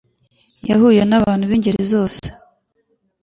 Yahuye nabantu b'ingeri zose.